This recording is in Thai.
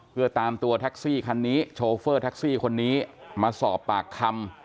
เพื่อตามตัวแท็กซี่คันนี้โชเฟอร์แท็กซี่คนนี้มาสอบปากคำ